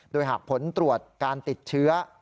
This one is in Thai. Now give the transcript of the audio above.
โดยหากผลตรวจการติดเชื้อ